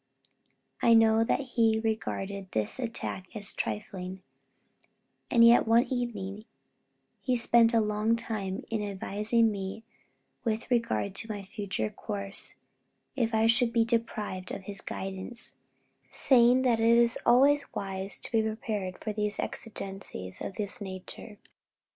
I know that he regarded this attack as trifling, and yet one evening he spent a long time in advising me with regard to my future course, if I should be deprived of his guidance; saying that it is always wise to be prepared for exigences of this nature.